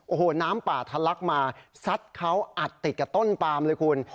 โอ้โหน้ำป่าทะลักมาซัดเขาอัดติดกับต้นปามเลยคุณ